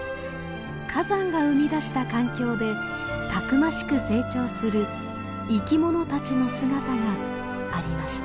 火山が生み出した環境でたくましく成長する生き物たちの姿がありました。